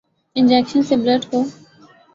injection سے blood کو